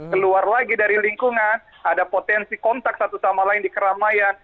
keluar lagi dari lingkungan ada potensi kontak satu sama lain di keramaian